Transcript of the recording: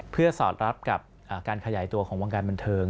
เพื่อสอดรับกับการขยายตัวของวงการบันเทิง